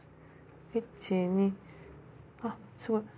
１２あっすごい。